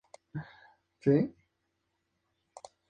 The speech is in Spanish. Manual para jueces de paz.